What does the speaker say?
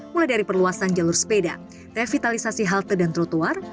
mulai dari perluasan jalur sepeda revitalisasi halte dan trotoar